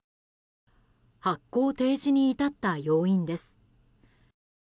発行停止に至った要因です。